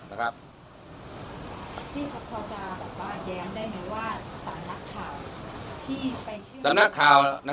พี่ครับพอจะแย้งได้ไหมว่าสำนักข่าวที่ไปเชื่อ